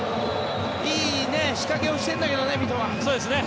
いい仕掛けをしているんだけどね、三笘。